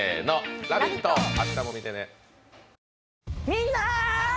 みんな！